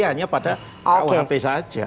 hanya pada rukah hp saja